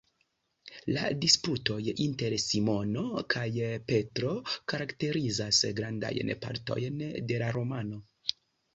La disputoj inter Simono kaj Petro karakterizas grandajn partojn de la romano.